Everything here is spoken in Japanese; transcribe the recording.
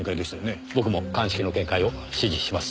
僕も鑑識の見解を支持します。